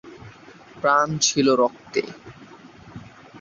প্রাণ ছিল রক্তে।